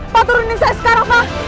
pak turunin saya sekarang pak